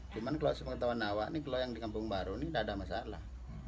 cuma kalau sebetulnya di kampung baru ini tidak ada masalah